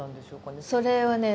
それはね